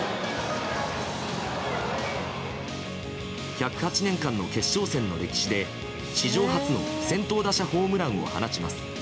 １０８年間の決勝戦の歴史で史上初の先頭打者ホームランを放ちます。